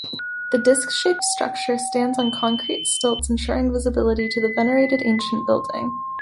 The disk-shaped structure stands on concrete stilts, ensuring visibility to the venerated ancient building.